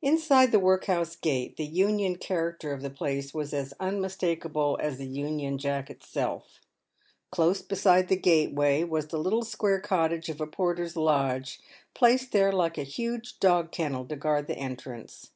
Inside the workhouse gate the Union character of the place was as unmistakable as the Union Jack itself. Close beside the gateway was the little square cottage of a porter's lodge, placed there like a huge dog kennel to guard the entrance.